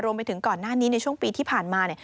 รวมไปถึงก่อนหน้านี้ในช่วงปีที่ผ่านมาเนี่ย